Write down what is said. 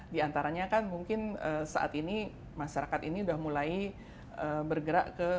di antaranya kan mungkin saat ini masyarakat ini sudah mulai bergerak ke